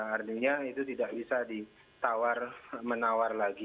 artinya itu tidak bisa ditawar menawar lagi